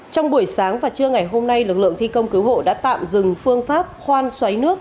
trong buổi sáng và trưa ngày hôm nay lực lượng thi công cứu hộ đã tạm dừng phương pháp khoan xoáy nước